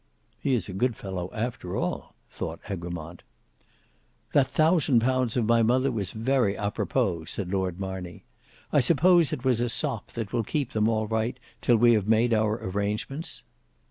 "He is a good fellow after all," thought Egremont. "That thousand pounds of my mother was very a propos," said Lord Marney; "I suppose it was a sop that will keep them all right till we have made our arrangements."